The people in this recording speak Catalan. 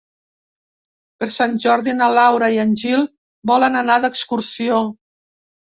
Per Sant Jordi na Laura i en Gil volen anar d'excursió.